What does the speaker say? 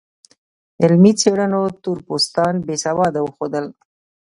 علمي څېړنو تور پوستان بې سواده وښودل.